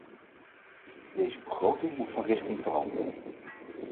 Deze begroting moet van richting veranderen.